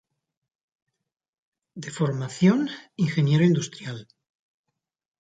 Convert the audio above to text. De formación ingeniero industrial.